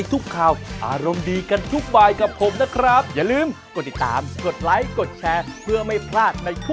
แต่วันนี้ลาไปก่อนนะคะสวัสดีค่ะ